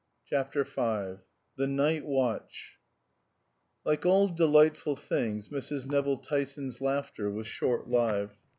CHAPTER V THE NIGHT WATCH Like all delightful things, Mrs. Nevill Tyson's laughter was short lived.